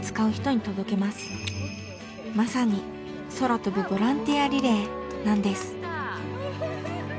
まさに空飛ぶボランティアリレーなんです。